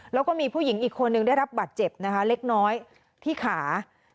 แล้วก็มีผู้หญิงอีกคนนึงได้รับบัตรเจ็บนะคะเล็กน้อยที่ขา